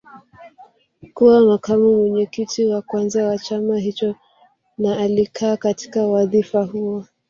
Kuwa makamu mwenyekiti wa kwanza wa chama hicho na alikaa katika wadhifa huo